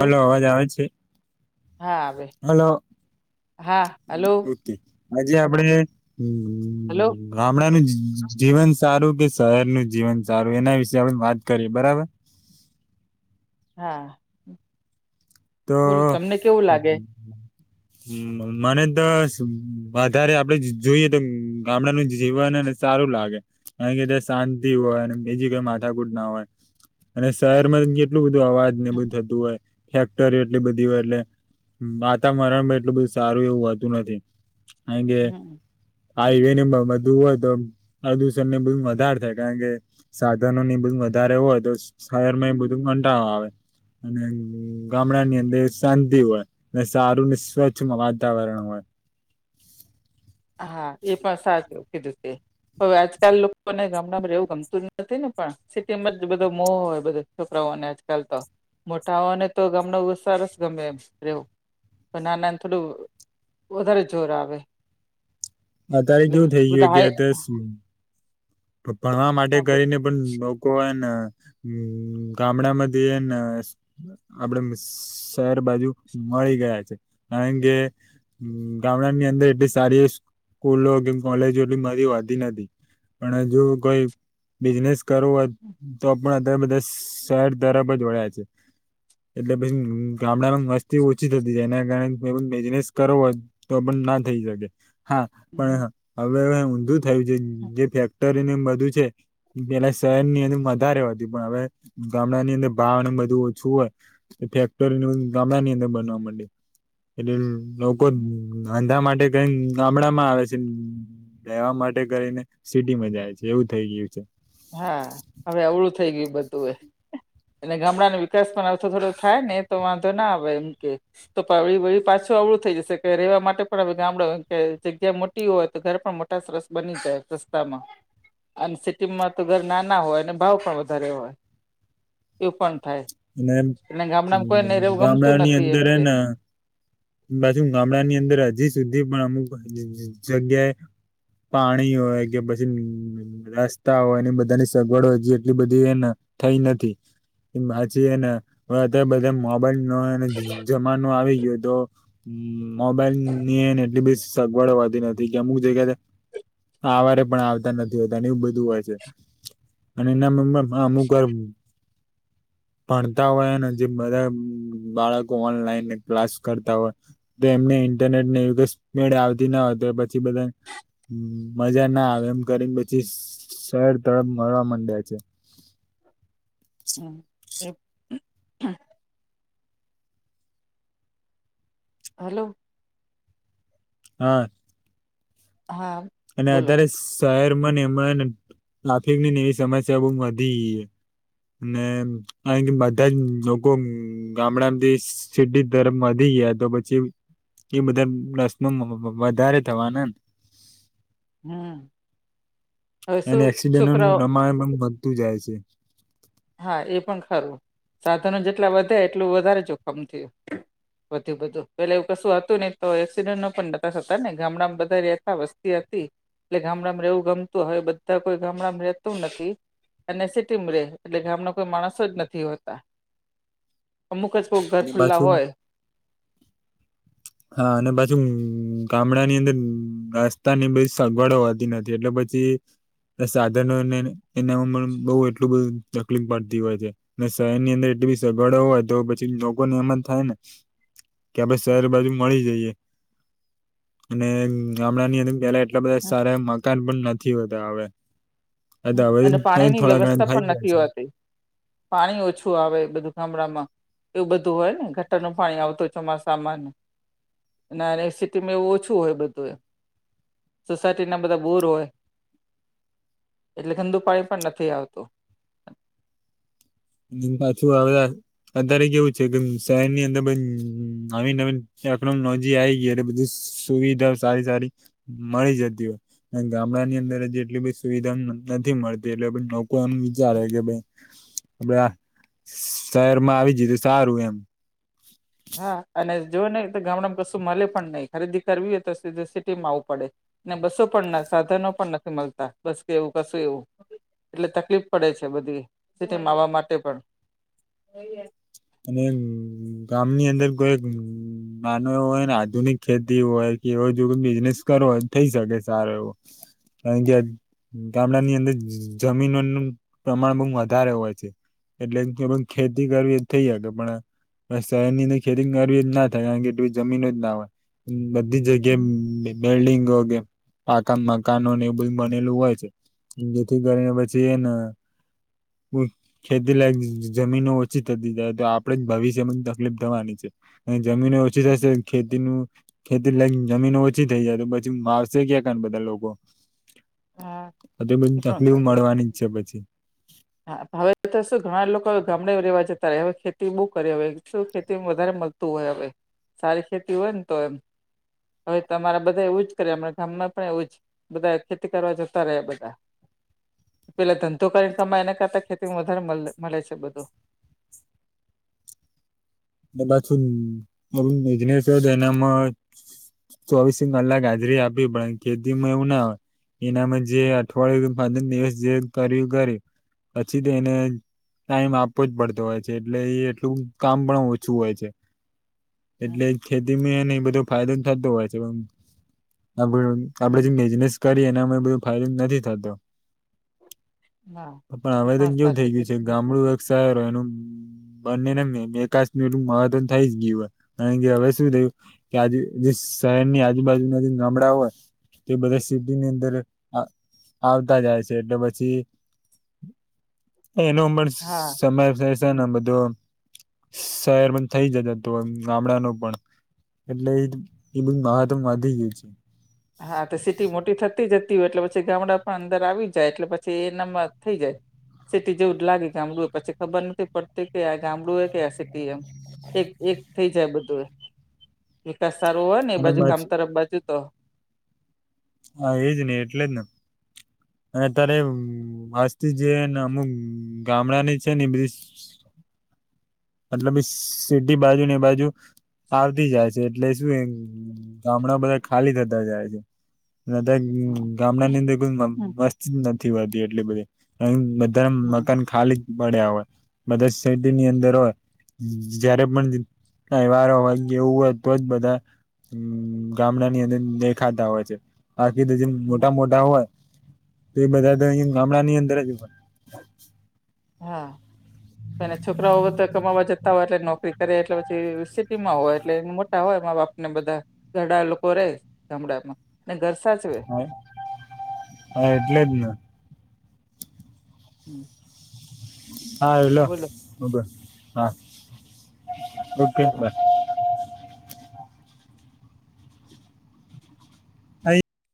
Hello અવાજ આવે છે. હા આવે હલો હા હલો ઓકે. આજે આપણે હલો ગામડાનું જીવન સારું કે શહેરનું જીવન સારું. એના વિશે આપણે વાત કરીએ. બરાબર. હા. તો બોલો તમને કેવું લાગે મને તો વધારે આપણે જોઈએ તો ગામડાનું જીવન સારું લાગે. કારણ કે, શાંતિ હોય અને બીજી કોઈ માથાકૂટ ના હોય. અને શહેરમાં કેટલું બધું અવાજને બધું થતું હોય. એટલી બધી હોય એટલે વાતાવરણમાં એટલું બધું સારું એવું હોતું નથી. હે [unintelligible] હમ હાઈવેને બધું હોય તો પ્રદુષણને બધુ વધારે થાય. કારણ કે સાધનોની બધુ વધારે હોય, તો શહેરમાં એ બધું કંટાણો આવે અને ગામડાની અંદર શાંતિ હોય. સારુંને, સ્વચ્છ વાતાવરણ હોય. હા, એ પણ સાચું કીધું છે. હવે આજકાલ લોકોને ગામડામાં એવું ગમતું જ નથી ને પણ સિટીમાં જ બધો મો હોય બધા છોકરાઓને ચાલ તો મોટાઓને તો ગમને સરસ ગમે એમ રવું નાના નું થોડું વધારે જોર આવે અત્યારે એટલે જેવું થઈ બધા ગયું કે હાય અત ભણવા માટે હા બ કરીને પણ લોકો એના હમ ગામડા મ એન ન સ આપડે શહેર બાજુ મળી ગયા છે આ કારણ કે ગામડા ની અંદર એટલી સારી સ્કૂલો કે કોલેજો એટલી બધી હોતી નથી પણ હજુ કોઈ બિઝનેસ કરવું હોય તો પણ અત્યારે બધા શહેર તરફ જ વણયા છે. એટલે પછી ગામડામાં મસ્તી ઓછી થતી જાય એના કારણે બિઝનેસ કરવો હોય તો પણ ના થઈ શકે, હા પણ હવે ઊંધું થયું છે જે ફ ક્ટરીને એમ બધું છે. પેલા શહેર ની અંદર વધારે હોતી પણ હવે ગામડા ની અંદર ભાવ ને બધું ઓછું હોય. ફેક્ટરી ગામડા ની અંદર બનવા માંડી એટલે લોક લોકો ધંધા માટે કરીને ગામડા માં આવે છે, રેહવા માટે કરીને સિટી માં જાય છે એવું થઇ ગયું છે. હા હવે અવળું થઈ ગયું બધું એ અને ગામડાનો વિકાસ પણ અથો થોડો થાય ને એ તો વાંધો ના આવે એમ કે તો પ્રવીણભાઈ પાછું આવડું થઈ જશે કે રેહવા માટે પણ હવે ગામડો જગ્યા મો ટી હોય ઘર પણ મોટા સરસ જાય રસ્તામાં અને સી ટી માં તો ઘર નાના હોય ભાવ પણ વધારે હોય. એવું પણ થાય અને ગામડામાં કોયને રહેવું ગમતું ગામડાની નથી એમ અંદર કે ને પાછુ ગામડા ની અંદર હજી સુધી પણ અમુક જ જગ્યાએ પાણી હોય કે પછી રસ્તા હોય એની બધાની સગવડો હજી એટલી બધી એ થઈ નથી. એ બાછી ને હવે અત્યારે બધા મોબાઈલ ન જમાનો આવી ગયો તો હ મોબાઈલ ની એને એટલી બ સગવડ હોતી નથી કે અમુક જગ્યા ટાવરે પણ આવતા નથી હોતા એવું બધું હોય છે અને એના મમ્મ હા અમુક આમ ભણતા હોય ને જે બધા બાળકો ઓનલાઈન ક્લાસ કર હોય તો એમને ઇન્ટરનેટ ને એવી સ્પીડ આવતી ના હોય તો પછી બધા હમ મજા ના આવે એમ કરીને પછી શહેર તરફ મળવા માંડ્યા છે. હમ હાલો હા. હા. અને બોલો અત્યારે શહેરમાં ને એમાંયન ટ્રાફિકની એવી સમસ્યા બઉ વધી ગઈય ને કારણ કે બધા જ લોકો ગામડામાંથી સીટી તરફ વધી ગયા તો પછી એ બધા પ્રશ્નો વ વ વધારે થવાના એમ હમ્મ એને એક્સિડેન્ટનું પ્રમાણ માં વધતું જાય છે. હા એ પણ ખરું સાધનો જેટલા વધે એટલું વધારે જોખમ થયું. વધુ બધું પેલે એવું કશું હતું ને તો એક્સિડેન્ટનો પણ નતા થતા ને ગામડામાં બધા રહેતા વસ્તી હતી. એટલે ગામડામાં રહેવું ગમતું હોય બધા કોઈ ગામડામાં રહેતું નથી અને સિટીમાં રહે છે એટલે ગામના કોઈ માણસો જ નથી હોતા અમુક જ કોક ઘર અને ખુલ્લા પાછું હોય. હા અને પાછુ ગામડાની અંદર રાસતાની બધી સગવડો હોતી નથી એટલે પછી એટલે સાધનોને એના [unintelligible] બઉ એટલું બધું તકલીફ પડતી હોય છે. અને શહેરની અંદર એટલી બધી સગવડો હોય તો પછી લોકોને એમ જ થાય ને કે આપણે શહેર બાજુ મળી જઈએ અને ગામડાની અંદર પેલા એટલે બધા સારા મકાન પણ નથી હોતા હવે અ દ હવે અને તોય પાણીની થોડા ઘણા વ્યવસ્થા બાઈ પણ ગયા નથી છે. હોતી પાણી ઓછું આવે બધું ગામડામાં એવું બધું હોય ને ગટરનું પાણી આવતું હોય ચોમાસામાંન અને આ રે સિટીમાં એવું ઓછું હોય બધું એ સોસાયટીના બધા બોર હોય એટલે ગંદુ પાણી પણ નથી આવતું. એમ પાછું આવ્યા અત્યારે કેવું છે કે શહેરની અંદર બધ નવી નવી ટેકનોલોજી આવી ગઈ એટલે બધુ સુવિધાઓ સારી સારી મળી જતી હોય અને ગામડાની અંદર હજી એટલી બધી સુવિધા ન નથી મળતી એટલે આપણે નોક કોમ વિચારે કે બેન આપડે આ શહેરમાં આવી જઈ તો સારું એમ હા અને જોએ નહી તો ગામડામાં કશું મલે પણ નહી ખરીદી કરવી હોય તો સીધુ સિટીમાં આવવું પડે. ને બસો પણ ના સાધનો પણ નથી મળતા બસ કે એવું કશું એવું. એટલે તકલીફ પડે છે બધી સિટીમાં આવવા માટે પણ અને ગામની અંદર કોઈ એક નાનો એવો હોય ને આધુનિક ખેતી હોય કે એવો જો બિઝનેસ કરો હોય તો થઈ શકે સારો એવો કારણ કે ગામડાની અંદર જમીનોનું પ્રમાણ બઉ વધારે હોય છે એટલે કોઈ પણ ખેતી કરવી થઈ હકે પણ પણ શહેરની અંદર ખેતી કરવી જ ના થાય કારણ કે એટલું જમીન જ ના હોય. બધી જગ્યાએ બિ લ્ડિંગો આઈ ગયા, પાકા મકાનોને એવ બંધુ બનેલું હોય છે. જેથી કરીને પછી છે ન કોઈક ખેતી લાયક જમીનો ઓછી થતી જાય તો આપડે જ ભવિષ્યમાં જ તકલીફ થવાની છે અને જમીન ઓછી થશે ખેતીનું ખેતી લાયક જમીન ઓછી થઇ જાય પછી વાવશે ક્યા કન બધા લોકો હા એ [unintelligible] પણ તકલીફ ખરું. મળવાની જ છે પછી હા હવે તો શું ઘણા લોકો ગામડે રહેવા જતા રહયા હવે ખેતી બહુ કરી હવે શું ખેતીમાં વધારે મલ હોય હવે. સારી ખેતી હોય ને, તો એમ. હવે તમારે બધા એવું જ કરે. હમણા ગામ માં પણ એવું જ, બધા ખેતી કરવા જતા રયા બધા. પેલા ધંધો કરીને કમાય, એના કરતા ખેતીમાં વધારે મલે મલે છે બધું. એ પાછું [unintelligible] બિઝનેસ હોય તેનામાં ચોવીસે કલાક હાજરી આપવી પડે. ખેતીમાં એવું ના હોય. એનામાં જે અઠવાડિયું પંદર દિવસ જે કર્યું, કર્યું. પછી તો એને ટાઈમ આપવો જ પડતો હોય છે, એટલે એ એટલું કામ પણ ઓ છું હોય છે. એટલે ખેતીમાં એને બધો ફાયદો થતો હોય છે. પણ આપ આપડે હમ્મ. જે બિઝનેસ કરીએ ને એમાં બધું ફાયદો નથી થતો. હા પણ એ હવે તો કેવું થઇ સાચું ગયું છે, કીધું તે ગામડું શહેર હોય એ એનો બંને ના વિકાસ એટલુ મહતવ થઈ જ ગયું હોય, કારણ હવે શું થયું કે આજ જે શહેરની આજુબાજુના જે ગામડા હોય તે બધા સિટીની અંદર આવ આવતા જાય છે, એટલે પછી એનો પણ હા સમય તે છે ને બધું [unintelligible] શહેર [inaudible] ગામડાનો પણ એટલે એ એ બઘુ મહાતમ વધી ગ્યું છ. હા, તો સીટી મોટી થતી જતી હોય, એટલે પછી ગામડા પણ અંદર આવી જાય, એટલે પછી એનાં [inaudible] થઈ જાય. સિટી જેવું જ લાગે ગામડું હો. પસી ખબર નથી પડતી કે આ ગામડું હોય કે આ સિટી એમ. એક એક થઈ જાય બધું. એ વિકાસ સારો હોય ને, અને બાજુ ગામ પાછું તરફ બાજુ તો હા એ જ ને, એટલે જ ને. અતારે આજથી જે ન, અમુક ગામડાની છે ન એ બધી મતલબ સિટી બાજુ ને એ બાજુ, આવતી જાય છે. એટલે શું એ ગામડા બધા ખાલી થતા જાય છે. અતારે હમ ગામડાની અંદર કોઈ મ વસ્તી નથી હોતી એટલી બધી. બધા હમ મકાન ખાલી જ પડ્યા હોય. બધા સિટી ની અંદર હોય જયારે પણ તહેવારો હોય, જેવું હોય, તો જ બધા હ, ગામડાની અંદર દેખાતા હોય છે. બાકી તો જેમ, મોટા હમ મોટા હોય, તો એ બધા તો અહીં ગામડાની અંદર જ હોય. અચ્છ. હા. અને છોકરાઓ વખતે કમાવા જત હોય એટલે નોકરી કરે એટલે પછી સિટીમાં હોય. એટલે એ મોટા હોય મા બાપ ને બધા. ઘરડા લોકો રે ગામડામાં, અને ઘર સાચવે. હ, હા, એટલે જ ને. હમ આર યુ લો બોલો [unintelligible] ઓકે ચલો બસ. [unintelligible]